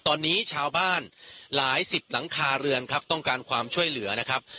ตอนนี้ชาวบ้านหลายสิบหลังคาเรือนครับต้องการความช่วยเหลือนะครับ